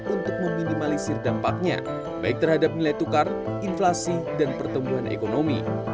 untuk meminimalisir dampaknya baik terhadap nilai tukar inflasi dan pertumbuhan ekonomi